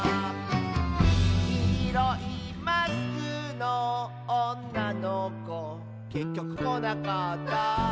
「きいろいマスクのおんなのこ」「けっきょくこなかった」